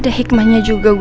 bagi bande cintamu